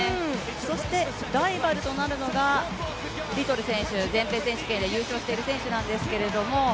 そして、ライバルとなるのがリトル選手、全米選手権で優勝している選手なんですけれども。